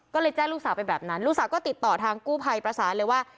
ก็เลยแจ้งลูกสาวไปแบบนั้นลูกสาวก็ติดต่อทางกู้ภัยประสานเลยว่า